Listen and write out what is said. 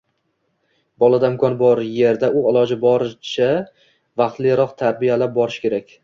bolada imkon bor yerda va iloji boricha vaqtliroq tarbiyalab borish kerak.